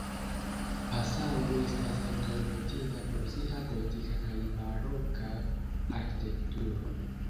Passau estas ankaŭ notinda por sia gotika kaj baroka arkitekturo.